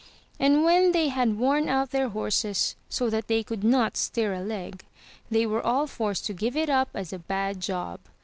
And when they had worn out their horses, so that they could not stir a leg, they were all forced to give it up 59 MY BOOK HOUSE as a bad job.